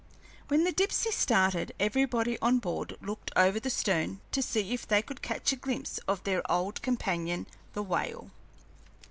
When the Dipsey started, everybody on board looked over the stern to see if they could catch a glimpse of their old companion, the whale.